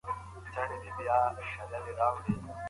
خپل ذهن ته ارامتیا ورکړئ.